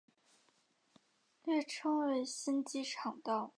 略称为新机场道。